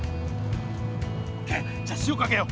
じゃあ塩かけよう。